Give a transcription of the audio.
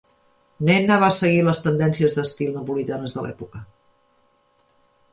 Nenna va seguir les tendències d'estil napolitanes de l'època.